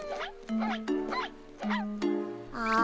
ああ。